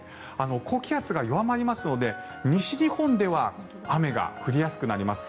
高気圧が弱まりますので西日本では雨が降りやすくなります。